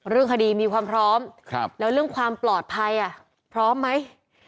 เรื่องคดีมีความพร้อมแล้วเรื่องความปลอดภัยพร้อมไหม